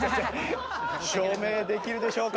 証明できるでしょうか？